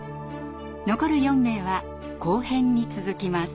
残る４名は後編に続きます。